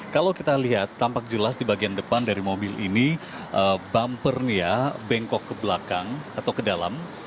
kalau kita lihat tampak jelas di bagian depan dari mobil ini bumpernya bengkok ke belakang atau ke dalam